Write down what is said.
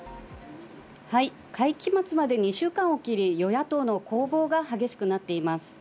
はい、会期末まで２週間を切り、与野党の攻防が激しくなっています。